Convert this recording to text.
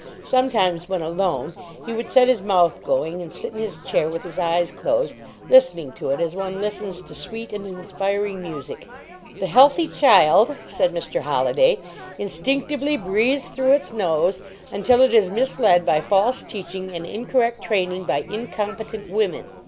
Sometimes, when alone, he would set his mouth going, and sit in his chair with his eyes closed, listening to it, as one listens to sweet and inspiring music. "The healthy child," said Mr. Holliday, "instinctively breathes through its nose until it is misled by false teaching and incorrect training by incompetent women."